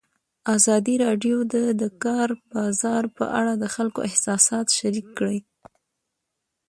ازادي راډیو د د کار بازار په اړه د خلکو احساسات شریک کړي.